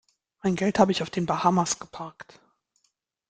Mein Geld habe ich auf den Bahamas geparkt.